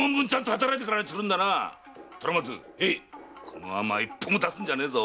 虎松このアマ一歩も出すんじゃねえぞ！